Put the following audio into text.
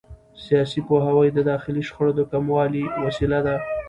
سیاسي پوهاوی د داخلي شخړو د کمولو وسیله ده